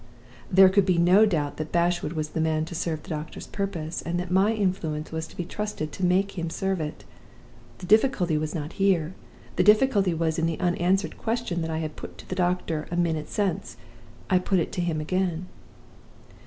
"There could be no doubt that Bashwood was the man to serve the doctor's purpose, and that my influence was to be trusted to make him serve it. The difficulty was not here: the difficulty was in the unanswered question that I had put to the doctor a minute since. I put it to him again.